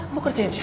mau kerjain siapa